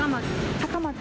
高松。